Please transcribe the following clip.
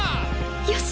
よし！